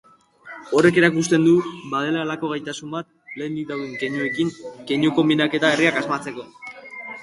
Horrek erakusten du badela halako gaitasun bat lehendik dauden keinuekin keinu-konbinaketa berriak asmatzeko.